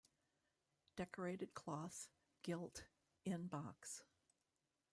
Decorated cloth, gilt, in box.